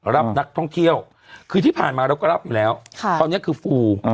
รับนักท่องเที่ยวคือที่ผ่านมาเราก็รับอยู่แล้วตอนนี้คือฟู